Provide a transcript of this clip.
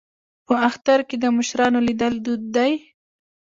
په اختر کې د مشرانو لیدل دود دی.